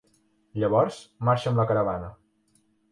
Llavors, marxa amb la caravana.